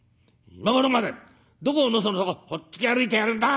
『今頃までどこをのそのそほっつき歩いてやがるんだ！』